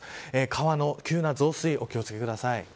川の急な増水にお気を付けください。